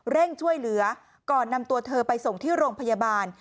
ช่วยเหลือก่อนนำตัวเธอไปส่งที่โรงพยาบาล